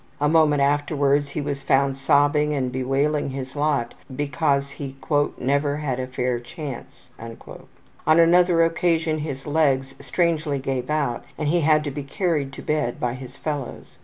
A moment afterwards he was found sobbing and bewailing his lot because he ``never had a fair chance.'' On another occasion his legs strangely gave out and he had to be carried to bed by his fellows.